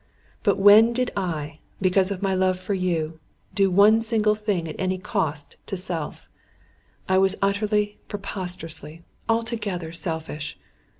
But when did I because of my love for you do one single thing at any cost to self? I was utterly, preposterously, altogether, selfish!